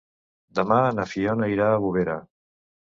Demà na Fiona irà a Bovera.